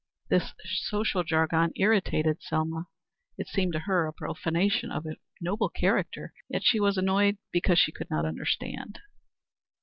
This social jargon irritated Selma. It seemed to her a profanation of a noble character, yet she was annoyed because she could not understand.